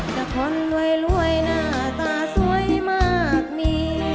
เจอกับคนรวยรวยหน้าตาสวยมากมี